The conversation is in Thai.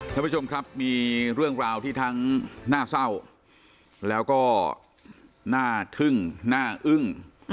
ท่านผู้ชมครับมีเรื่องราวที่ทั้งน่าเศร้าแล้วก็น่าทึ่งน่าอึ้ง